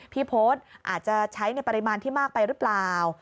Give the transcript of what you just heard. โพสต์อาจจะใช้ในปริมาณที่มากไปหรือเปล่า